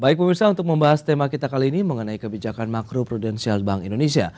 baik pemirsa untuk membahas tema kita kali ini mengenai kebijakan makro prudensial bank indonesia